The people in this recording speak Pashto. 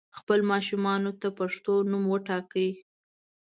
خپل ماشومانو ته پښتو نوم وټاکئ